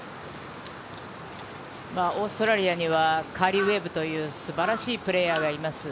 オーストラリアにはカリー・ウェブという素晴らしいプレーヤーがいます。